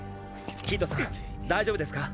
キッドさん大丈夫ですか？